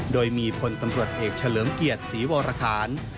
โดยมีพลตำรวจเอกเฉลิมเกียรติศรีวรคาร